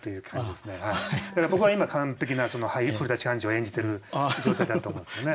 だから僕は今完璧な俳優古寛治を演じてる状態だと思うんですよね。